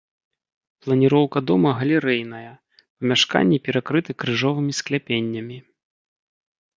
Планіроўка дома галерэйная, памяшканні перакрыты крыжовымі скляпеннямі.